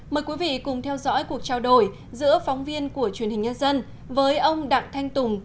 mời quý vị cùng theo dõi cuộc trao đổi giữa phóng viên của truyền hình nhân dân với ông đặng thanh tùng